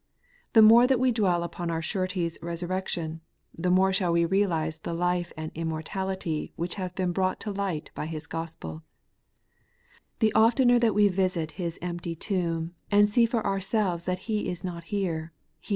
The more that we dwell upon our Surety's resurrection, the more shall we realize the life and immortality which have been brought to light by His gospel The oftener that we visit His empty tomb, and see for ourselves that He is not here. He.